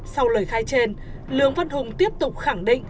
sau lời khai trên lường văn hùng tiếp tục khẳng định